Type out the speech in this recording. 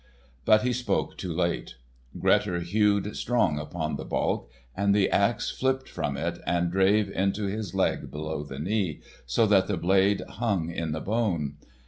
But he spoke too late. Grettir hewed strong upon the balk, and the axe flipped from it and drave into his leg below the knee, so that the blade hung in the bone.